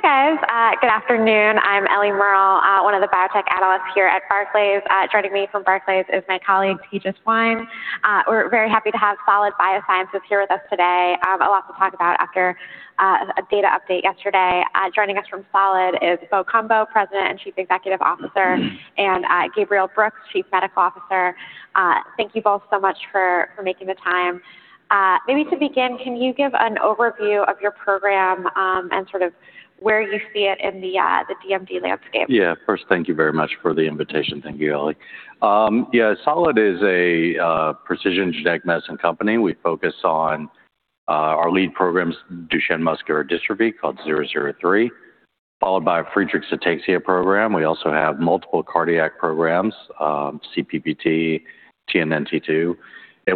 Hi, guys. Good afternoon. I'm Ellie Merle, one of the biotech analysts here at Barclays. Joining me from Barclays is my colleague, Tejas Wein. We're very happy to have Solid Biosciences here with us today. A lot to talk about after a data update yesterday. Joining us from Solid is Bo Cumbo, President and Chief Executive Officer, and Gabriel Brooks, Chief Medical Officer. Thank you both so much for making the time. Maybe to begin, can you give an overview of your program, and sort of where you see it in the DMD landscape? Yeah. First, thank you very much for the invitation. Thank you, Ellie. Yeah, Solid is a precision genetic medicine company. We focus on our lead programs, Duchenne muscular dystrophy, called SGT-003, followed by Friedreich's ataxia program. We also have multiple cardiac programs, CPVT, TNNT2.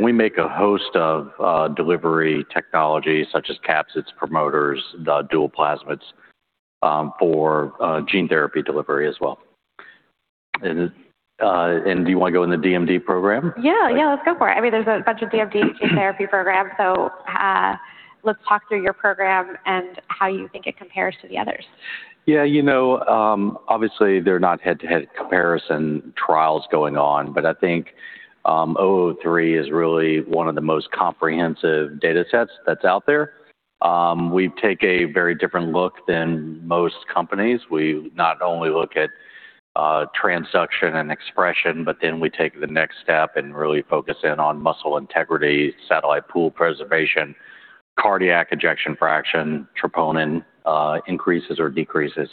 We make a host of delivery technologies such as capsids, promoters, the dual plasmids, for gene therapy delivery as well. Do you wanna go in the DMD program? Yeah. Yeah, let's go for it. I mean, there's a bunch of DMD gene therapy programs, so, let's talk through your program and how you think it compares to the others? Yeah, you know, obviously they're not head-to-head comparison trials going on, but I think, 003 is really one of the most comprehensive datasets that's out there. We take a very different look than most companies. We not only look at transduction and expression, but then we take the next step and really focus in on muscle integrity, satellite pool preservation, cardiac ejection fraction, troponin, increases or decreases.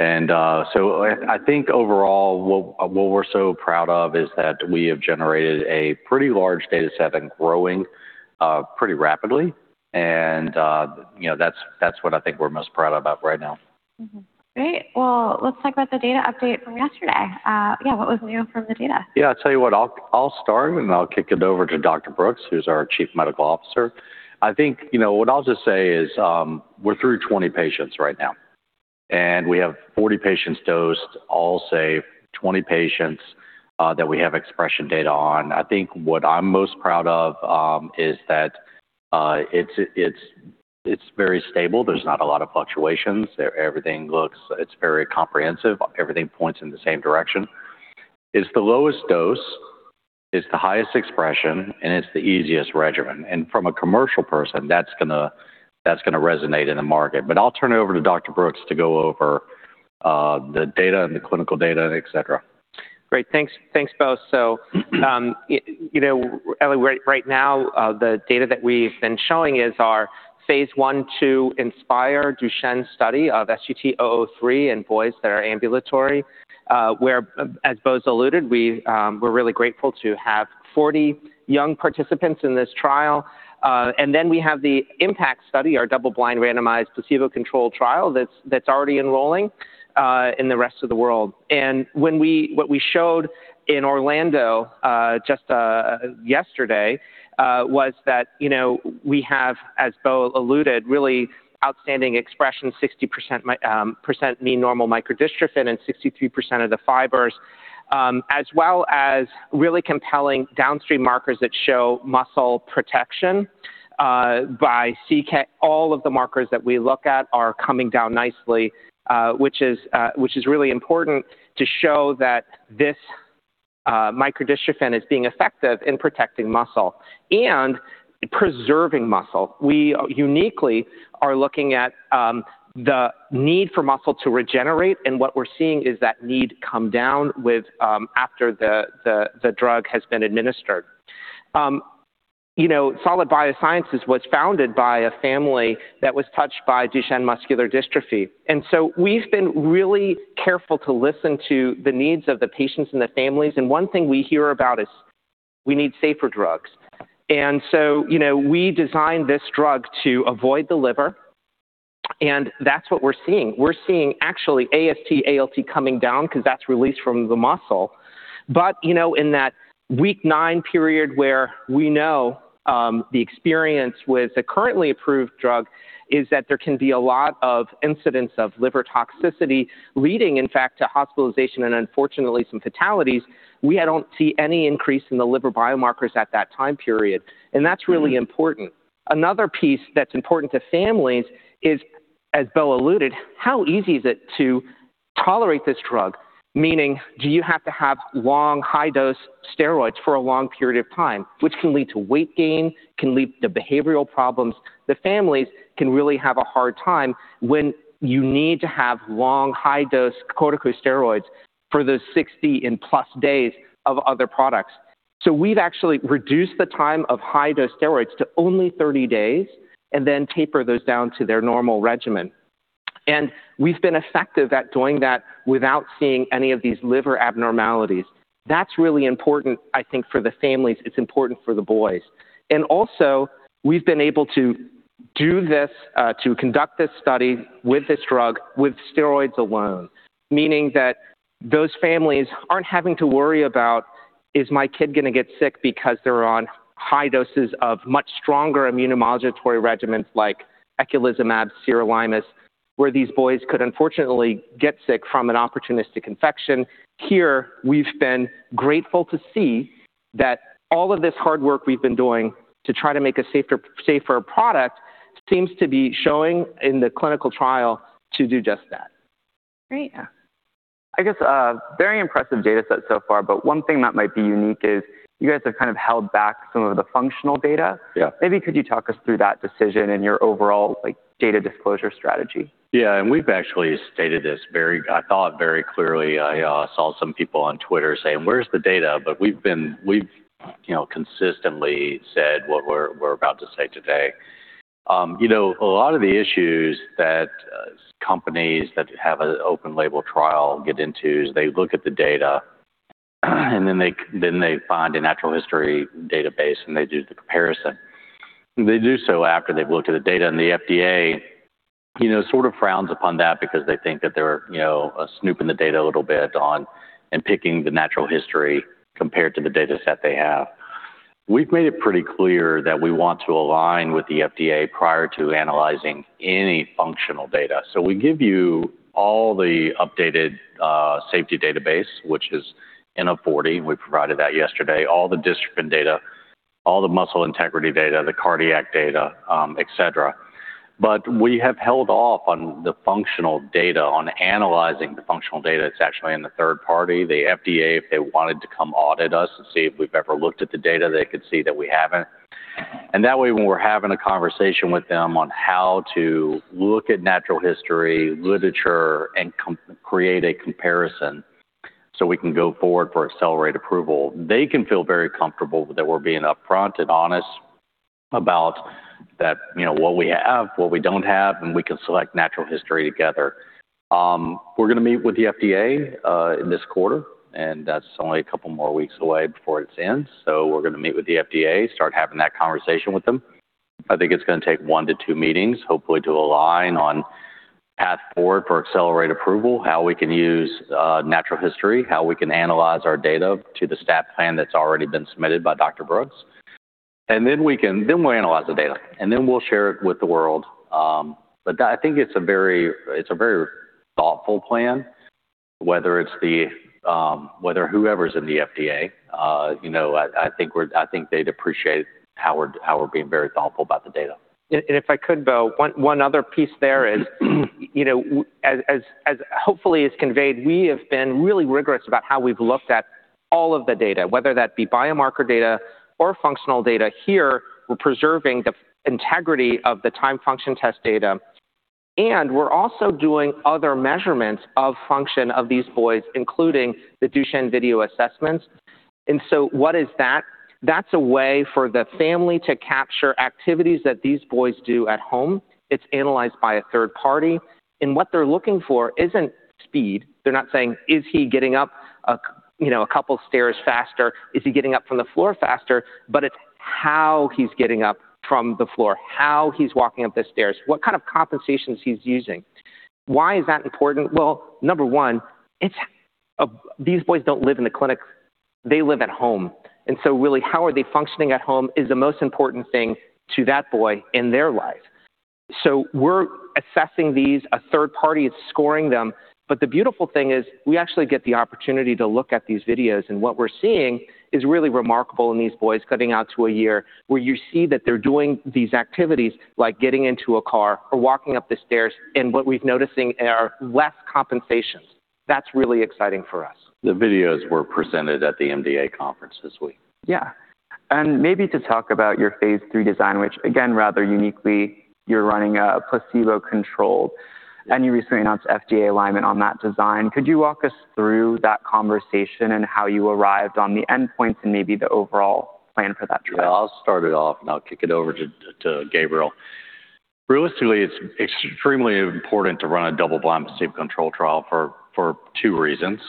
I think overall, what we're so proud of is that we have generated a pretty large dataset and growing, pretty rapidly and, you know, that's what I think we're most proud about right now. Great. Well, let's talk about the data update from yesterday. Yeah, what was new from the data? Yeah, I'll tell you what, I'll start, and then I'll kick it over to Dr. Brooks, who's our Chief Medical Officer. I think, you know, what I'll just say is, we're through 20 patients right now, and we have 40 patients dosed, I'll say 20 patients that we have expression data on. I think what I'm most proud of is that it's very stable. There's not a lot of fluctuations. Everything looks very comprehensive. Everything points in the same direction. It's the lowest dose, it's the highest expression, and it's the easiest regimen. From a commercial person, that's gonna resonate in the market. I'll turn it over to Dr. Brooks to go over the data and the clinical data, etc. Great. Thanks. Thanks, Bo. You know, Ellie, right now, the data that we've been showing is our Phase I/II INSPIRE DUCHENNE study of SGT-003 in boys that are ambulatory, where, as Bo's alluded, we're really grateful to have 40 young participants in this trial. Then we have the IMPACT DUCHENNE study, our double-blind randomized placebo-controlled trial that's already enrolling in the rest of the world. What we showed in Orlando just yesterday was that, you know, we have, as Bo alluded, really outstanding expression, 60% mean normal microdystrophin and 63% of the fibers, as well as really compelling downstream markers that show muscle protection by CK. All of the markers that we look at are coming down nicely, which is really important to show that this microdystrophin is being effective in protecting muscle and preserving muscle. We uniquely are looking at the need for muscle to regenerate, and what we're seeing is that need come down with after the drug has been administered. You know, Solid Biosciences was founded by a family that was touched by Duchenne muscular dystrophy, and so we've been really careful to listen to the needs of the patients and the families, and one thing we hear about is we need safer drugs. You know, we designed this drug to avoid the liver, and that's what we're seeing. We're seeing actually AST, ALT coming down 'cause that's released from the muscle. You know, in that week nine period where we know, the experience with the currently approved drug is that there can be a lot of incidents of liver toxicity leading, in fact, to hospitalization and unfortunately some fatalities. We don't see any increase in the liver biomarkers at that time period, and that's really important. Another piece that's important to families is, as Bo alluded, how easy is it to tolerate this drug? Meaning, do you have to have long, high-dose steroids for a long period of time, which can lead to weight gain, can lead to behavioral problems. The families can really have a hard time when you need to have long, high-dose corticosteroids for the 60+ days of other products. We've actually reduced the time of high-dose steroids to only 30 days and then taper those down to their normal regimen. We've been effective at doing that without seeing any of these liver abnormalities. That's really important, I think, for the families. It's important for the boys. We've been able to do this to conduct this study with this drug with steroids alone, meaning that those families aren't having to worry about, "Is my kid gonna get sick because they're on high doses of much stronger immunomodulatory regimens like eculizumab, sirolimus," where these boys could unfortunately get sick from an opportunistic infection. Here, we've been grateful to see that all of this hard work we've been doing to try to make a safer product seems to be showing in the clinical trial to do just that. Great. Yeah. I guess, very impressive data set so far, but one thing that might be unique is you guys have kind of held back some of the functional data. Yeah. Maybe could you talk us through that decision and your overall, like, data disclosure strategy? Yeah. We've actually stated this I thought very clearly. I saw some people on Twitter saying, "Where's the data?" We've, you know, consistently said what we're about to say today. You know, a lot of the issues that companies that have an open label trial get into is they look at the data, and then they find a natural history database, and they do the comparison. They do so after they've looked at the data, and the FDA, you know, sort of frowns upon that because they think that they're, you know, snooping the data a little bit and picking the natural history compared to the dataset they have. We've made it pretty clear that we want to align with the FDA prior to analyzing any functional data. We give you all the updated safety database, which is in a 40. We provided that yesterday, all the dystrophin data, all the muscle integrity data, the cardiac data, et cetera. We have held off on the functional data, on analyzing the functional data. It's actually in the third party. The FDA, if they wanted to come audit us to see if we've ever looked at the data, they could see that we haven't. That way, when we're having a conversation with them on how to look at natural history literature and create a comparison so we can go forward for accelerated approval, they can feel very comfortable that we're being upfront and honest about that, you know, what we have, what we don't have, and we can select natural history together. We're gonna meet with the FDA in this quarter, and that's only a couple more weeks away before it ends. We're gonna meet with the FDA, start having that conversation with them. I think it's gonna take one-two meetings, hopefully to align on path forward for accelerated approval, how we can use natural history, how we can analyze our data to the SAP that's already been submitted by Dr. Brooks. We'll analyze the data, and then we'll share it with the world. I think it's a very thoughtful plan, whether whoever's in the FDA, you know, I think they'd appreciate how we're being very thoughtful about the data. If I could, Bo, one other piece there is, you know, as hopefully is conveyed, we have been really rigorous about how we've looked at all of the data, whether that be biomarker data or functional data. Here, we're preserving the integrity of the time function test data, and we're also doing other measurements of function of these boys, including the Duchenne Video Assessment. What is that? That's a way for the family to capture activities that these boys do at home. It's analyzed by a third party. What they're looking for isn't speed. They're not saying, "Is he getting up a couple stairs faster? Is he getting up from the floor faster?" It's how he's getting up from the floor, how he's walking up the stairs, what kind of compensations he's using. Why is that important? Well, number one, These boys don't live in the clinic. They live at home. really, how are they functioning at home is the most important thing to that boy in their life. we're assessing these. A third party is scoring them. the beautiful thing is we actually get the opportunity to look at these videos, and what we're seeing is really remarkable in these boys cutting out to a year where you see that they're doing these activities like getting into a car or walking up the stairs, and what we're noticing are less compensations. That's really exciting for us. The videos were presented at the MDA conference this week. Yeah. Maybe to talk about your phase III design, which again, rather uniquely, you're running a placebo-controlled, and you recently announced FDA alignment on that design. Could you walk us through that conversation and how you arrived on the endpoints and maybe the overall plan for that trial? Yeah. I'll start it off, and I'll kick it over to Gabriel. Realistically, it's extremely important to run a double-blind placebo-controlled trial for two reasons.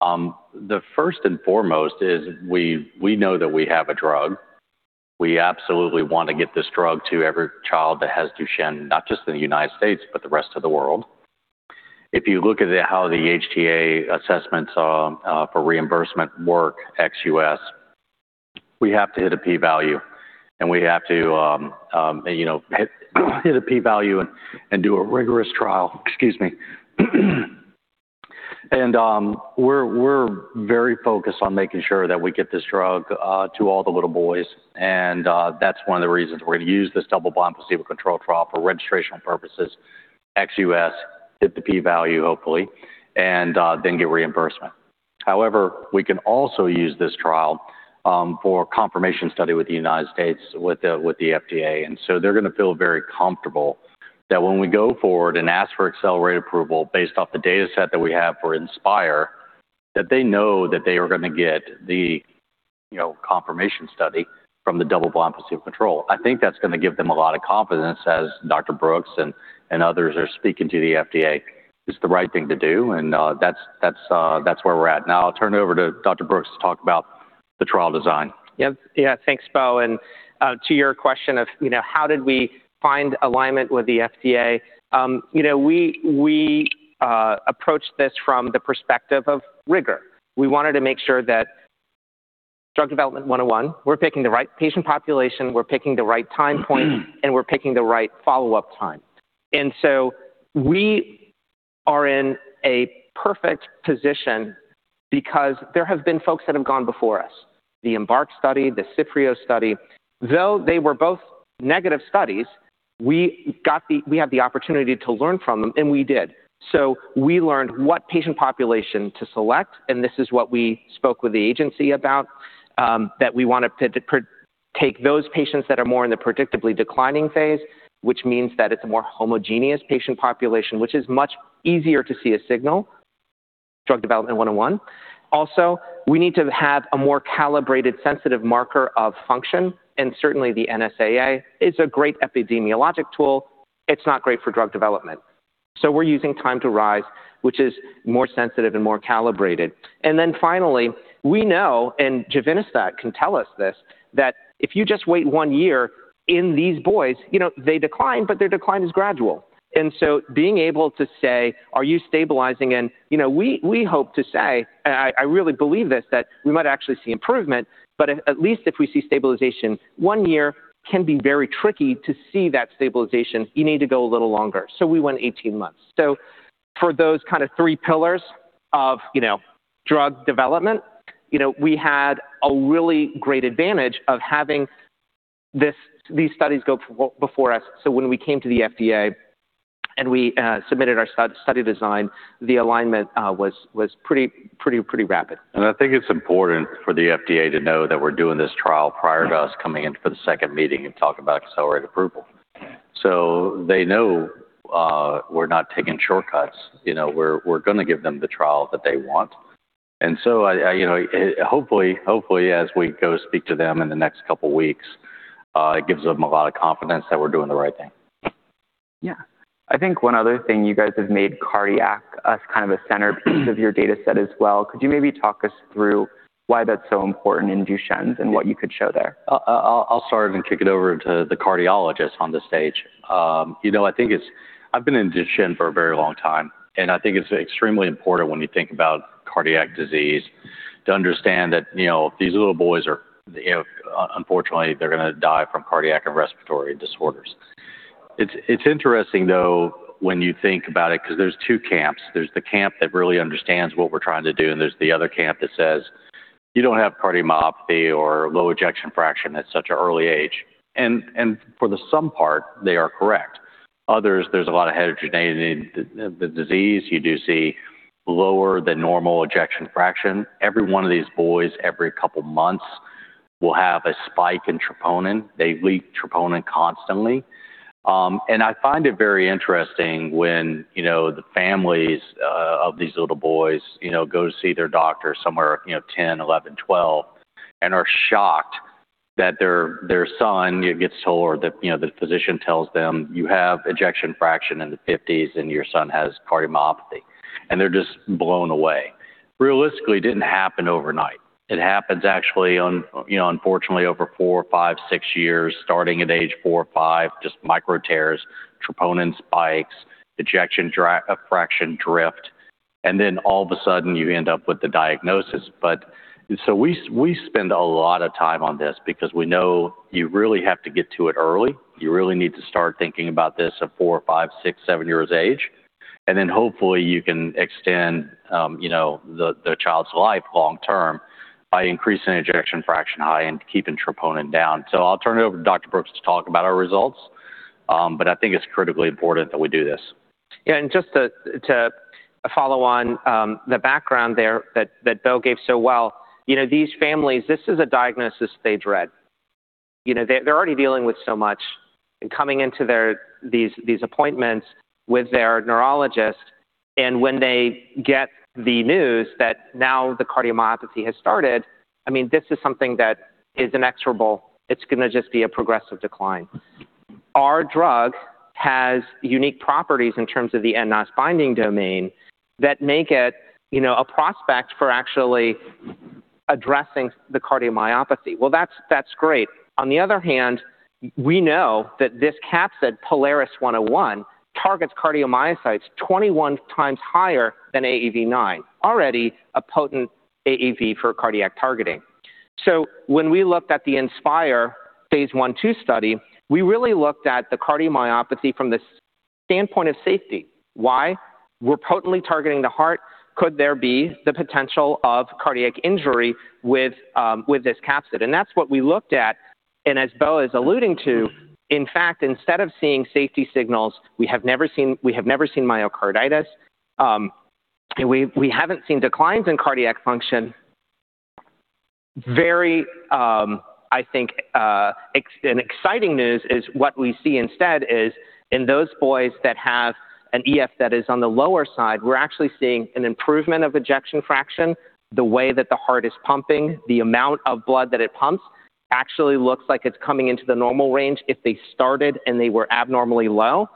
The first and foremost is we know that we have a drug. We absolutely want to get this drug to every child that has Duchenne, not just in the United States, but the rest of the world. If you look at how the HTA assessments for reimbursement work ex-US, we have to hit a P value, and we have to you know hit a P value and do a rigorous trial. Excuse me. We're very focused on making sure that we get this drug to all the little boys, and that's one of the reasons we're gonna use this double-blind placebo-controlled trial for registrational purposes, ex-US, hit the p-value hopefully, and then get reimbursement. However, we can also use this trial for confirmation study with the United States with the FDA. They're gonna feel very comfortable that when we go forward and ask for accelerated approval based off the dataset that we have for INSPIRE, that they know that they are gonna get the, you know, confirmation study from the double-blind placebo-controlled. I think that's gonna give them a lot of confidence as Dr. Brooks and others are speaking to the FDA. It's the right thing to do, and that's where we're at. Now I'll turn it over to Dr. Brooks to talk about the trial design. Yep. Yeah. Thanks, Bo. To your question of, how did we find alignment with the FDA? We approached this from the perspective of rigor. We wanted to make sure that drug development 101, we're picking the right patient population, we're picking the right time point, and we're picking the right follow-up time. We are in a perfect position because there have been folks that have gone before us. The EMBARK study, the CIFFREO study. Though they were both negative studies, we had the opportunity to learn from them, and we did. We learned what patient population to select, and this is what we spoke with the agency about, that we wanted to take those patients that are more in the predictably declining phase, which means that it's a more homogeneous patient population, which is much easier to see a signal. Drug development one-on-one. Also, we need to have a more calibrated sensitive marker of function, and certainly the NSAA is a great epidemiologic tool. It's not great for drug development. We're using time to rise, which is more sensitive and more calibrated. Finally, we know, and can tell us this, that if you just wait one year in these boys, you know, they decline, but their decline is gradual. Being able to say, "Are you stabilizing?" You know, we hope to say, and I really believe this, that we might actually see improvement, but at least if we see stabilization, one year can be very tricky to see that stabilization. You need to go a little longer. We went 18 months. For those kind of three pillars of, you know, drug development, you know, we had a really great advantage of having these studies go before us. When we came to the FDA and we submitted our study design, the alignment was pretty rapid. I think it's important for the FDA to know that we're doing this trial prior to us coming in for the second meeting and talking about accelerated approval. They know we're not taking shortcuts. You know, we're gonna give them the trial that they want. You know, hopefully, as we go speak to them in the next couple of weeks, it gives them a lot of confidence that we're doing the right thing. Yeah. I think one other thing you guys have made cardiac as kind of a centerpiece of your data set as well. Could you maybe talk us through why that's so important in Duchenne's and what you could show there? I'll start and kick it over to the cardiologist on the stage. You know, I think it's I've been in Duchenne for a very long time, and I think it's extremely important when you think about cardiac disease to understand that, you know, these little boys are, you know, unfortunately, they're gonna die from cardiac and respiratory disorders. It's interesting, though, when you think about it because there's two camps. There's the camp that really understands what we're trying to do, and there's the other camp that says, "You don't have cardiomyopathy or low ejection fraction at such an early age." And for the most part, they are correct. Others, there's a lot of heterogeneity in the disease. You do see lower than normal ejection fraction. Every one of these boys, every couple of months, will have a spike in troponin. They leak troponin constantly. I find it very interesting when, you know, the families of these little boys, you know, go to see their doctor somewhere, you know, 10, 11, 12, and are shocked that their son gets told or the, you know, the physician tells them, "You have ejection fraction in the 50s, and your son has cardiomyopathy." They're just blown away. Realistically, it didn't happen overnight. It happens actually on, you know, unfortunately over four, five, six years, starting at age four or five, just micro tears, troponin spikes, ejection fraction drift, and then all of a sudden you end up with the diagnosis. We spend a lot of time on this because we know you really have to get to it early. You really need to start thinking about this at four, five, six, seven years of age. Hopefully you can extend, you know, the child's life long term by increasing ejection fraction high and keeping troponin down. I'll turn it over to Dr. Brooks to talk about our results. I think it's critically important that we do this. Yeah. Just to follow on the background there that Bo gave so well, you know, these families, this is a diagnosis they dread. You know, they're already dealing with so much and coming into these appointments with their neurologist, and when they get the news that now the cardiomyopathy has started, I mean, this is something that is inexorable. It's gonna just be a progressive decline. Our drug has unique properties in terms of the nNOS binding domain that make it, you know, a prospect for actually addressing the cardiomyopathy. Well, that's great. On the other hand, we know that this capsid, POLARIS-101, targets cardiomyocytes 21 times higher than AAV9, already a potent AAV for cardiac targeting. When we looked at the INSPIRE phase I/II study, we really looked at the cardiomyopathy from the standpoint of safety. Why? We're potently targeting the heart. Could there be the potential of cardiac injury with this capsid? That's what we looked at. As Bo is alluding to, in fact, instead of seeing safety signals, we have never seen myocarditis. We haven't seen declines in cardiac function. Very, I think, an exciting news is what we see instead is in those boys that have an EF that is on the lower side, we're actually seeing an improvement of ejection fraction, the way that the heart is pumping, the amount of blood that it pumps actually looks like it's coming into the normal range if they started and they were abnormally low.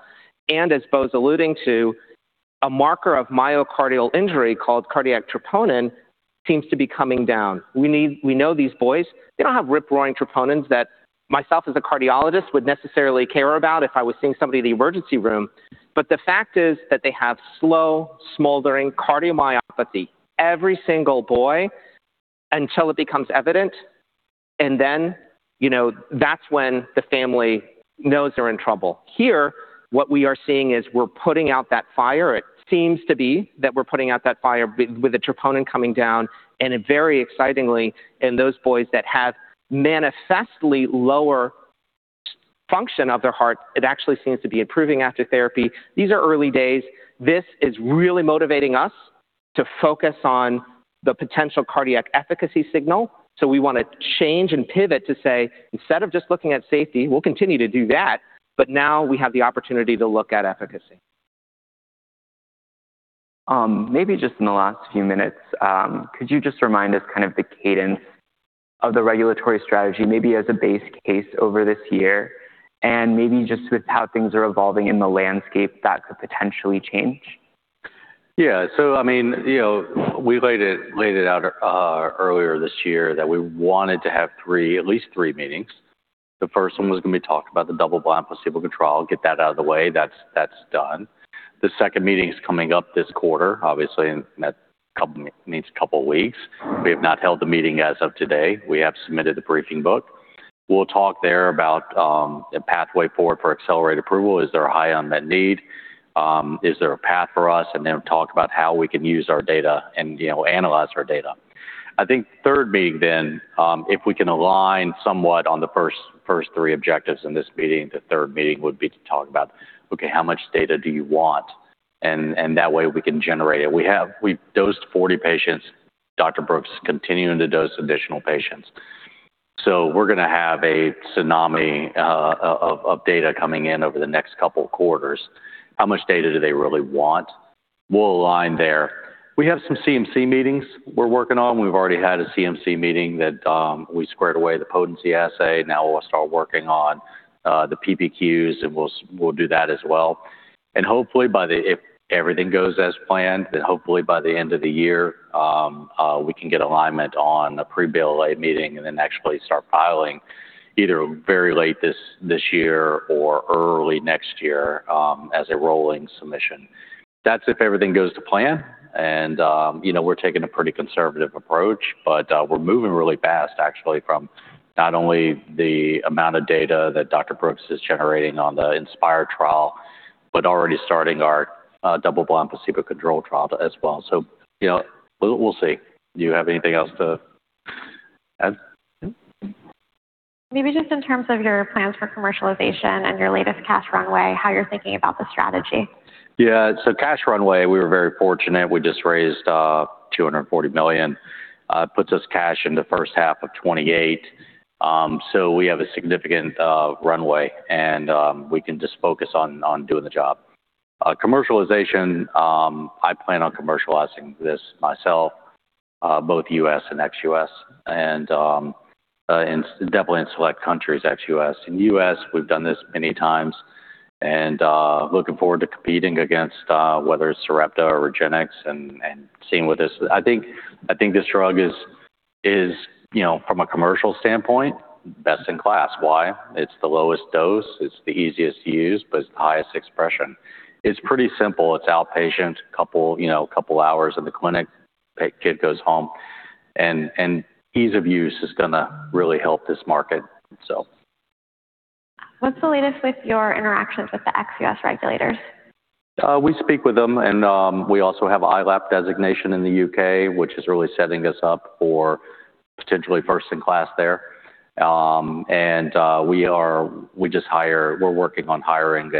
As Bo's alluding to, a marker of myocardial injury called cardiac troponin seems to be coming down. We know these boys, they don't have rip-roaring troponins that myself as a cardiologist would necessarily care about if I was seeing somebody in the emergency room. But the fact is that they have slow, smoldering cardiomyopathy. Every single boy, until it becomes evident. You know, that's when the family knows they're in trouble. Here, what we are seeing is we're putting out that fire. It seems to be that we're putting out that fire with the troponin coming down, and very excitingly in those boys that have manifestly lower function of their heart, it actually seems to be improving after therapy. These are early days. This is really motivating us to focus on the potential cardiac efficacy signal. We want to change and pivot to say, instead of just looking at safety, we'll continue to do that, but now we have the opportunity to look at efficacy. Maybe just in the last few minutes, could you just remind us kind of the cadence of the regulatory strategy, maybe as a base case over this year, and maybe just with how things are evolving in the landscape that could potentially change? I mean, you know, we laid it out earlier this year that we wanted to have at least three meetings. The first one was going to be talked about the double blind placebo control, get that out of the way. That's done. The second meeting is coming up this quarter, obviously in the next couple of weeks. We have not held the meeting as of today. We have submitted the briefing book. We'll talk there about a pathway forward for accelerated approval. Is there a high unmet need? Is there a path for us? Talk about how we can use our data and, you know, analyze our data. I think third meeting then, if we can align somewhat on the first three objectives in this meeting, the third meeting would be to talk about okay, how much data do you want? That way we can generate it. We've dosed 40 patients. Dr. Brooks is continuing to dose additional patients. We're going to have a tsunami of data coming in over the next couple quarters. How much data do they really want? We'll align there. We have some CMC meetings we're working on. We've already had a CMC meeting that we squared away the potency assay. Now we'll start working on the PPQs, and we'll do that as well. If everything goes as planned, then hopefully by the end of the year, we can get alignment on a pre-BLA meeting and then actually start filing either very late this year or early next year, as a rolling submission. That's if everything goes to plan. You know, we're taking a pretty conservative approach, but we're moving really fast actually from not only the amount of data that Dr. Brooks is generating on the INSPIRE trial, but already starting our double blind placebo-controlled trial as well. You know, we'll see. Do you have anything else to add? No. Maybe just in terms of your plans for commercialization and your latest cash runway, how you're thinking about the strategy? Yeah. Cash runway, we were very fortunate. We just raised $240 million. Puts us cash in the first half of 2028. We have a significant runway and we can just focus on doing the job. Commercialization, I plan on commercializing this myself, both US and ex-US and definitely in select countries, ex-US. In US, we've done this many times and looking forward to competing against whether it's Sarepta or REGENXBIO and seeing what this. I think this drug is, you know, from a commercial standpoint, best in class. Why? It's the lowest dose, it's the easiest to use, but it's the highest expression. It's pretty simple. It's outpatient, couple, you know, couple hours in the clinic, kid goes home, and ease of use is gonna really help this market. What's the latest with your interactions with the ex-US regulators? We speak with them and we also have ILAP designation in the UK, which is really setting us up for potentially first in class there. We're working on hiring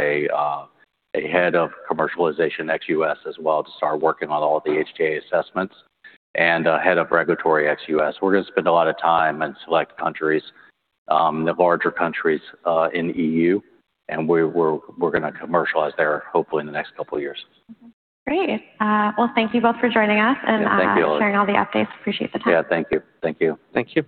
a head of commercialization ex-US as well to start working on all of the HTA assessments and a head of regulatory ex-US. We're going to spend a lot of time in select countries, the larger countries, in EU, and we're going to commercialize there hopefully in the next couple of years. Great. Well, thank you both for joining us and, Yeah. Thank you Sharing all the updates. Appreciate the time. Yeah. Thank you. Thank you. Thank you.